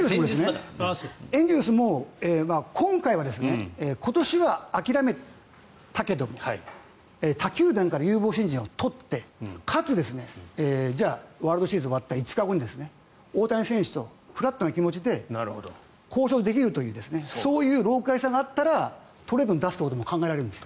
エンゼルスも、今回は今年は諦めたけど他球団から有望新人を取ってかつ、ワールドシリーズが終わった５日後に大谷選手とフラットな気持ちで交渉できるというそういう老かいさがあったらトレードに出すことも考えられるんです。